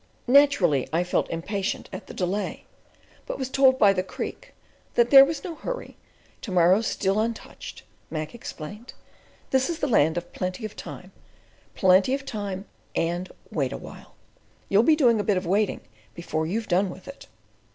Naturally I felt impatient at the delay, but was told by the Creek that "there was no hurry!" "To morrow's still untouched," Mac explained. "This is the Land of Plenty of Time; Plenty of Time and Wait a While. You'll be doing a bit of waiting before you've done with it."